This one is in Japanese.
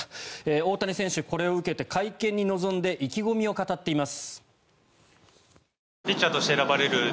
大谷選手はこれを受けて会見に臨んで意気込みを語っています。